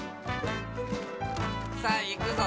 さあいくぞ。